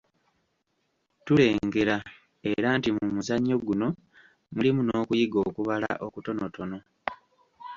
Tulengera era nti mu muzannyo guno mulimu n’okuyiga okubala okutonootono.